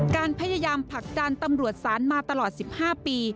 การพยายามผลักดันตำรวจศาลมาตลอด๑๕ปี